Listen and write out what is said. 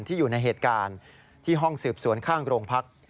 อยู่ในเหตุการณ์ที่ห้องสืบสวนข้างโรงพัก